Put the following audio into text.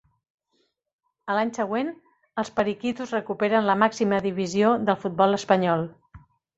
A l'any següent, els periquitos recuperen la màxima divisió del futbol espanyol.